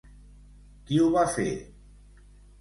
Qui ho va fer?